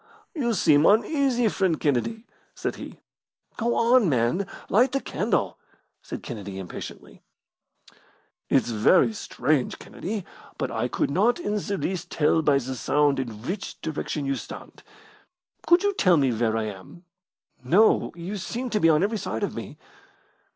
"You seem uneasy, friend Kennedy," said he. "Go on, man, light the candle!" said Kennedy, impatiently. "It's very strange, Kennedy, but I could not in the least tell by the sound in which direction you stand. Could you tell where I am?" "No; you seem to be on every side of me."